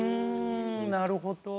なるほど。